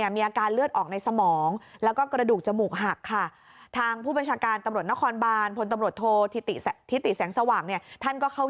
มีการเลือดออกในสมองและกระดูกจมูกหักค่ะทางผู้บัญชาการตำรวจนครบานพลตำรวจโทษทิตย์ที่แสงสว่างเนี่ยท่านก็เข้า